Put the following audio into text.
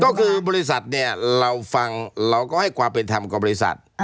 ก็คือบริษัทเนี่ยเราฟังเราก็ให้ความเป็นธรรมกับบริษัท